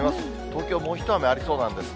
東京、もう一雨ありそうなんです。